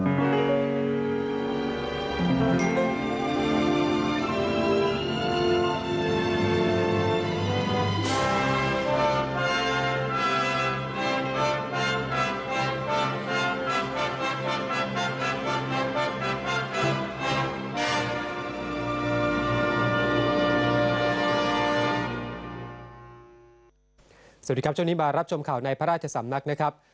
สวัสดีครับช่วงนี้มารับชมข่าวในพระราชสำนักนะครับ